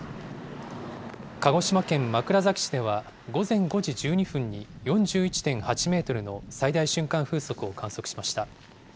鹿児島県枕崎市では、午前５時１２分に４１．８メートルの最大瞬間風速を観測しました。